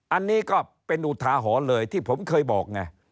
อันนี้ก็เป็นอุทาหรณ์เลยที่ผมเคยบอกไง